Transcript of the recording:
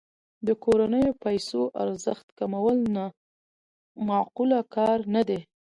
د کورنیو پیسو ارزښت کمول نا معقول کار نه دی.